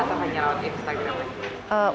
atau hanya lewat instagram lagi